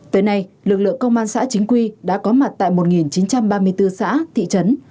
tới nay lực lượng công an xã chính quy đã có mặt tại một chín trăm ba mươi bốn xã thị trấn